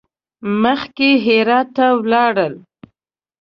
مخکې هرات ته ولاړل.